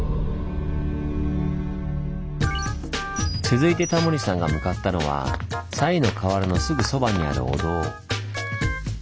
続いてタモリさんが向かったのは賽の河原のすぐそばにあるお堂。